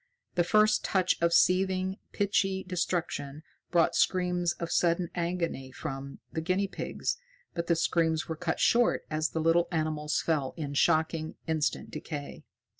The first touch of seething, pitchy destruction brought screams of sudden agony from the guinea pigs, but the screams were cut short as the little animals fell in shocking, instant decay.